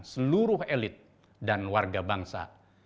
seluruh elit dan warga bangsa